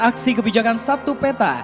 aksi kebijakan satu peta